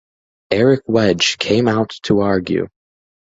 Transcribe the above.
Eric Wedge came out to argue.